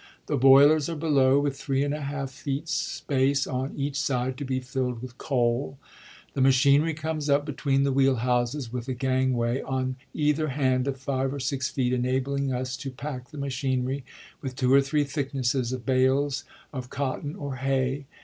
The boilers are below, with three and a half feet space on each side, to be filled with coal. The ma chinery comes up between the wheel houses, with a gang way on either hand of five to six feet, enabling us to pack the machinery with two or three thicknesses of bales of cotton or hay.